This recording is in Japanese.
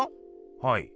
はい。